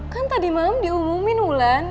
kan tadi malam diumumin bulan